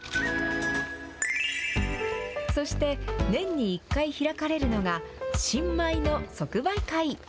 そして、年に１回開かれるのが、新米の即売会。